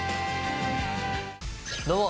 どうも。